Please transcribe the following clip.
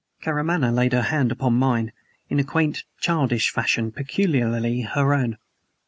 Karamaneh laid her hand upon mine, in a quaint, childish fashion peculiarly her own.